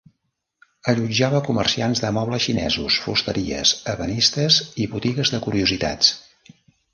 Allotjava comerciants de mobles xinesos, fusteries, ebenistes i botigues de curiositats.